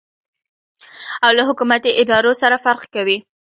او له حکومتي ادارو سره فرق کوي.